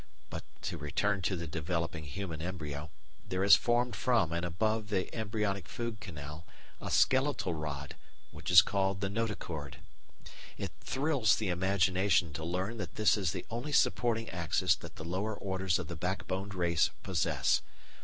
But to return to the developing human embryo, there is formed from and above the embryonic food canal a skeletal rod, which is called the notochord. It thrills the imagination to learn that this is the only supporting axis that the lower orders of the backboned race possess.